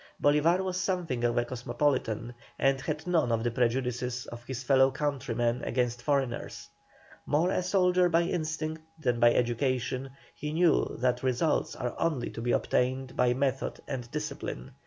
Bolívar was something of a cosmopolitan, and had none of the prejudices of his fellow countrymen against foreigners. More a soldier by instinct than by education, he knew that results are only to be obtained by method and discipline.